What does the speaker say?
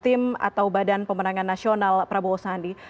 tim atau badan pemenangan nasional prabowo sandi